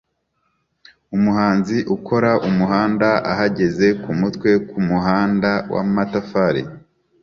Umuhanzi ukora umuhanda ahagaze kumutwe kumuhanda wamatafari